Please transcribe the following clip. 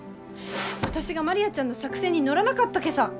私がマリアちゃんの作戦に乗らなかったけさ。